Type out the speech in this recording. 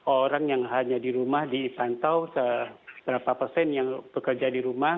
orang yang hanya di rumah dipantau seberapa persen yang bekerja di rumah